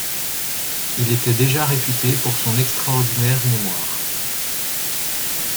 Il était déjà réputé pour son extraordinaire mémoire.